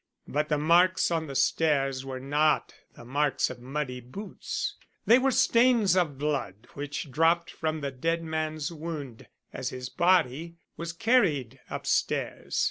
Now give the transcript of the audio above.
But the marks on the stairs were not the marks of muddy boots. They were stains of blood which dropped from the dead man's wound, as his body was carried upstairs.